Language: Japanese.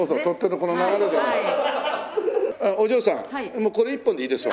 もうこれ１本でいいですわ。